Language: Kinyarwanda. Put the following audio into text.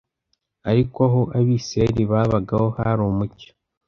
ariko aho Abisirayeli babaga ho hari umucyo